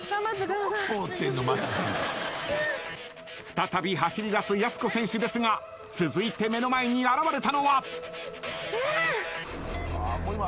再び走りだすやす子選手ですが続いて目の前に現れたのは。